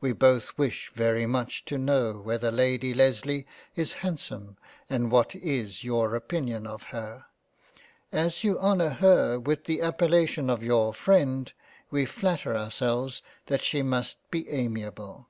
We both wish very much to know whether Lady Lesley is handsome and what is your opinion of her ; as you honour her with the appel lation of your freind, we flatter ourselves that she must be amiable.